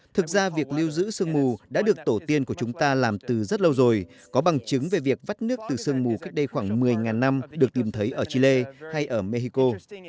thực ra việc lưu giữ sương mù đã được tổ tiên của chúng ta làm từ rất lâu rồi có bằng chứng về việc vắt nước từ sương mù cách đây khoảng một mươi năm được tìm thấy ở chile hay ở mexico